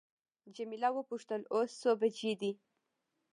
جميله وپوښتل اوس څو بجې دي.